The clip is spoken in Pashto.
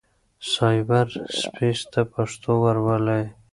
سايبر سپېس ته پښتو ورولئ.